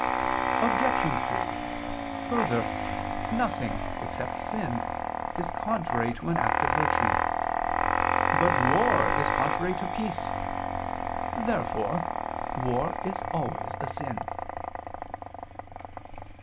Obj. 3: Further, nothing, except sin, is contrary to an act of virtue. But war is contrary to peace. Therefore war is always a sin.